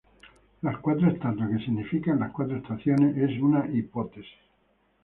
La cuatro estatuas que significan las cuatro estaciones, es una hipótesis.